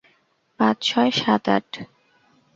পাঁচ, ছয়, সাত, আট!